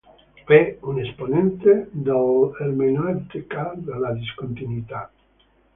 È un esponente dell'ermeneutica della discontinuità.